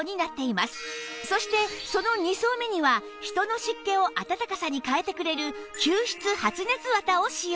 そしてその２層目には人の湿気を暖かさに変えてくれる吸湿発熱綿を使用